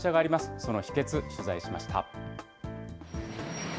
その秘けつ、取材しました。